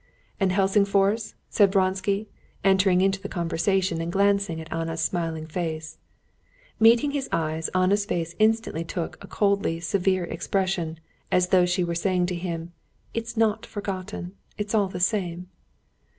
"And Helsingfors?" said Vronsky, entering into the conversation and glancing at Anna's smiling face. Meeting his eyes, Anna's face instantly took a coldly severe expression as though she were saying to him: "It's not forgotten. It's all the same."